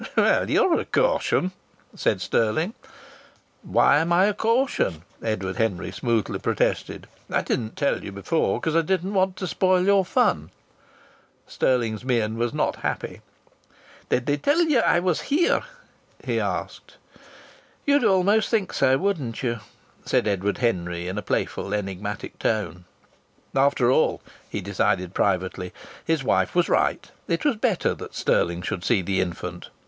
"Well, you're a caution!" said Stirling. "Why am I a caution?" Edward Henry smoothly protested. "I didn't tell you before because I didn't want to spoil your fun." Stirling's mien was not happy. "Did they tell you I was here?" he asked. "You'd almost think so, wouldn't you?" said Edward Henry in a playful, enigmatic tone. After all, he decided privately, his wife was right; it was better that Stirling should see the infant.